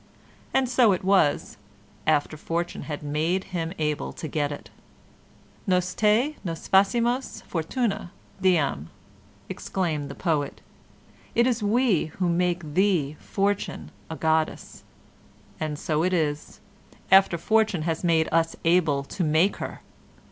And so it was, after Fortune had made him able to get it. "Nos te, nos facimus, Fortuna, deam," exclaimed the poet. "It is we who make thee, Fortune, a goddess"; and so it is, after Fortune has made us able to make her.